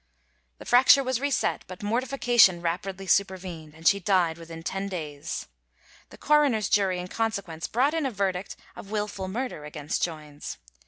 The fracture was reset, but mortification rapidly supervened, and she died within ten days. The coroner's jury in consequence brought in a verdict of wilful murder against Joines.